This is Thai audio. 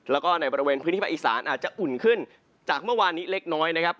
แล้วก็ในบริเวณพื้นที่ภาคอีสานอาจจะอุ่นขึ้นจากเมื่อวานนี้เล็กน้อยนะครับ